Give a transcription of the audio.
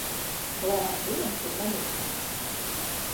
Leons Briedis ir nemirstīgs!